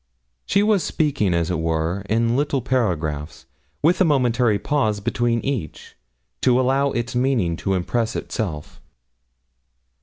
She was speaking, as it were, in little paragraphs, with a momentary pause between each, to allow its meaning to impress itself.